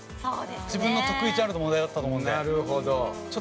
自分の得意ジャンルの問題だったと思うんで。